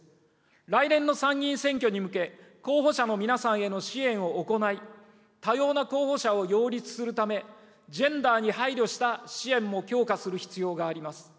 来年の参議院選挙に向け、候補者の皆さんへの支援を行い、多様な候補者を擁立するため、ジェンダーに配慮した支援も強化する必要があります。